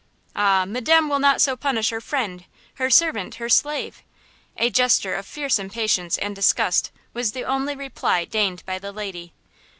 "Ah, madame will not so punish her friend, her servant, her slave!" A gesture of fierce impatience and disgust was the only reply deigned by the lady.